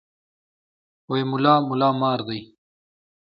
وې ملا ملا مار دی.